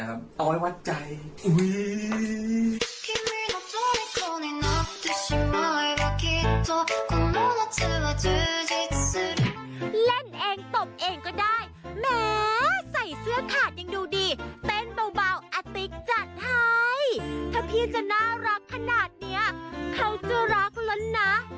ถ้าพี่จะน่ารักขนาดเนี้ยเขาจะรักแล้วนะ